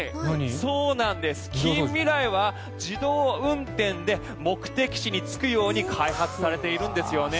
そうなんです、近未来は自動運転で目的地に着くように開発されているんですよね。